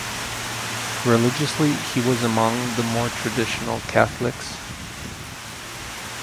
Religiously he was among the more traditional Catholics.